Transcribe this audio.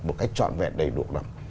một cách trọn vẹn đầy đủ lắm